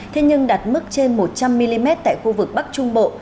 thế nhưng đạt mức trên một trăm linh mm tại khu vực bắc trung bộ